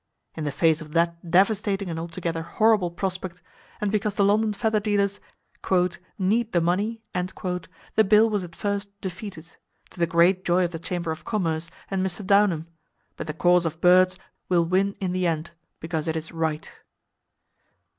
In the face of that devastating and altogether horrible prospect, and because the London feather dealers "need the money," the bill was at first defeated—to the great joy of the Chamber of Commerce and Mr. Downham; but the cause of birds will win in the end, because it is Right.